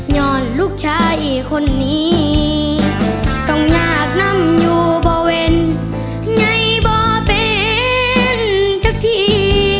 ยอดลูกชายคนนี้ต้องอยากนำอยู่บ่เว่นไงบ่เป็นจักที